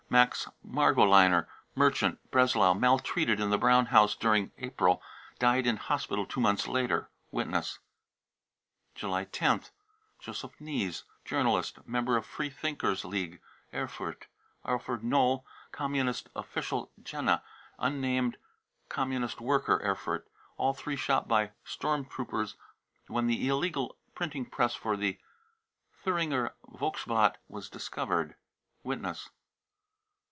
max margoliner, merchant, Breslau, maltreated in tlii Brown House during April, died in hospital two months later] (Witness.) July i oth. Joseph nies, journalist, member of Freethinkers 9 League] Erfurt. Alfred noll, Communist official, Jena, unnamed! communist worker, Erfurt. All three shot by storm trooped when the illegal printing press used for the Thuringer Volksbktl was discovered. (Witness?)